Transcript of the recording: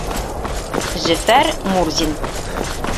— Зөфәр Мурзин.